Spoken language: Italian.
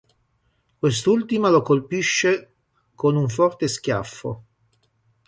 Quest'ultima lo colpisce con un forte schiaffo.